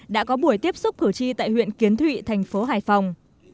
đã có buổi tiếp xúc cử tri tại huyện kiến thụy thành phố hải phòng